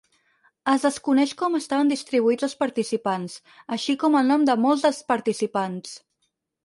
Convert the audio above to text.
Es desconeix com estaven distribuïts els participants, així com el nom de molts dels participants.